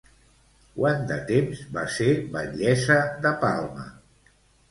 Quant de temps va ser batllessa de Palma?